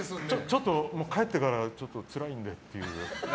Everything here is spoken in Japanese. ちょっと帰ってからつらいんでっていう。